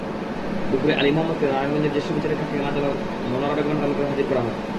দুপুুরে আলী মোহাম্মদকে নারায়ণগঞ্জের জ্যেষ্ঠ বিচারিক হাকিম মনোয়ারা বেগমের আদালতে হাজির করা হয়।